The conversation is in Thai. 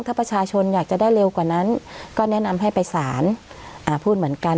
ถ้าประชาชนอยากจะได้เร็วกว่านั้นก็แนะนำให้ไปสารพูดเหมือนกัน